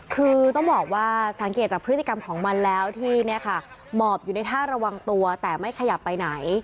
คือต้องบอกว่าสังเกตจากพฤติกรรมของมันแล้วที่เนี่ยค่ะหมอบอยู่ในท่าระวังตัวแต่ไม่ขยับไปไหน